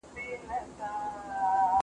ذوالقرنين خپله ځان رسوا کړو